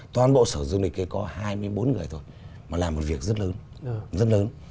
toàn bộ sở du lịch có hai mươi bốn người thôi mà làm một việc rất lớn